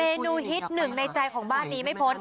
เนูฮิตหนึ่งในใจของบ้านนี้ไม่พ้น